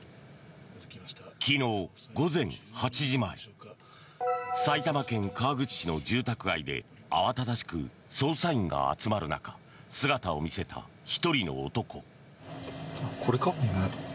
昨日午前８時前埼玉県川口市の住宅街で慌ただしく捜査員が集まる中姿を見せた１人の男。